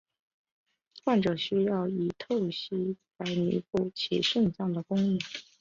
患者需要以透析来弥补其肾脏的功能。